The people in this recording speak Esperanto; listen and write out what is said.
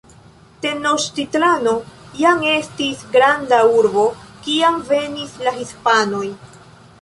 Tenoĉtitlano jam estis granda urbo, kiam venis la Hispanoj.